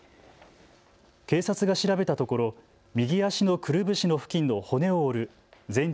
警察が調べたところ右足のくるぶしの付近の骨を折る全治